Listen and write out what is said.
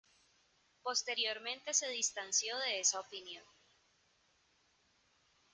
Posteriormente se distanció de esa opinión.